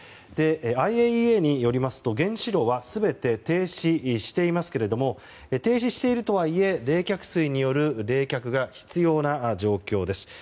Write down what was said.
ＩＡＥＡによりますと原子炉は全て停止していますけれども冷却水による冷却が必要な状況です。